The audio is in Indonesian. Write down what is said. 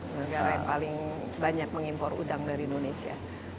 negara yang paling banyak mengimpor udang dari indonesia